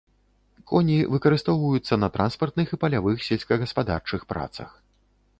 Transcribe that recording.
Коні выкарыстоўваюцца на транспартных і палявых сельскагаспадарчых працах.